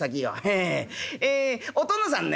えお殿さんね